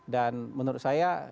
dan menurut saya